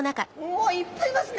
おおいっぱいいますね。